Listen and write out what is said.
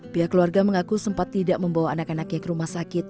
pihak keluarga mengaku sempat tidak membawa anak anaknya ke rumah sakit